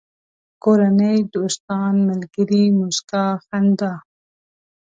کورنۍ، دوستان، ملگري، موسکا، خندا